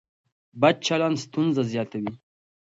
بد چلن ستونزه زیاتوي.